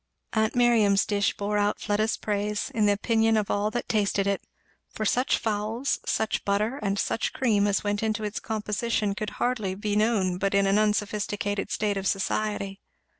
Aunt Miriam's dish bore out Fleda's praise, in the opinion of all that tasted it; for such fowls, such butter, and such cream, as went to its composition could hardly be known but in an unsophisticated state of society.